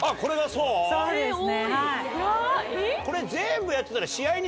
そうですね。